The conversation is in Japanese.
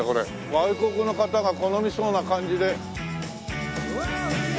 外国の方が好みそうな感じで。